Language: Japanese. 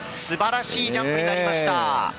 すばらしいジャンプになりました。